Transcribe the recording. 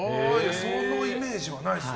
そういうイメージはないですね。